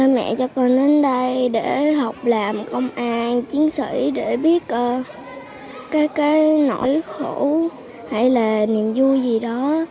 mẹ cho con đến đây để học làm công an chiến sĩ để biết cái nỗi khổ hay là niềm vui gì đó